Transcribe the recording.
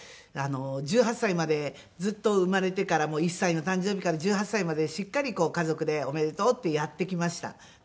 １８歳までずっと生まれてから１歳の誕生日から１８歳までしっかり家族でおめでとうってやってきました。